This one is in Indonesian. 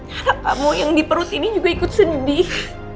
harap kamu yang di perut ini juga ikut sedih